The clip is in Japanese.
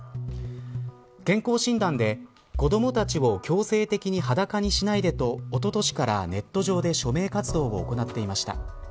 健康診断で子どもたちを強制的に裸にしないでとおととしからネット上で署名活動を行っていました。